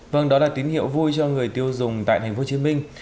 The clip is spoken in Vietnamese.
vâng đó là tín hiệu vui cho người tiêu dùng tại tp hcm